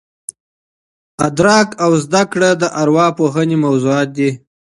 ادراک او زده کړه د ارواپوهني موضوعات دي.